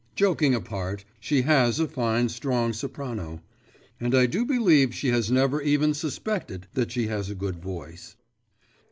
Joking apart, she has a fine, strong soprano. And I do believe she has never even suspected that she has a good voice.